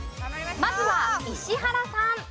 まずは石原さん。